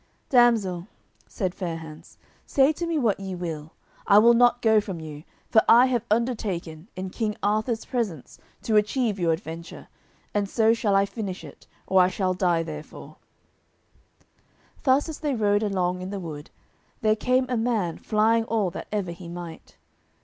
"Damsel," said Fair hands, "say to me what ye will, I will not go from you, for I have undertaken, in King Arthur's presence, to achieve your adventure, and so shall I finish it, or I shall die therefore." Thus as they rode along in the wood, there came a man flying all that ever he might.